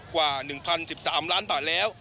กว่า๑๐๑๓ล้านบาทแล้ว